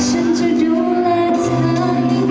ฉันจะดูแลเธออย่างเดียว